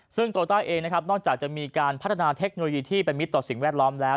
ซึ่งโตต้าเองนะครับนอกจากจะมีการพัฒนาเทคโนโลยีที่เป็นมิตรต่อสิ่งแวดล้อมแล้ว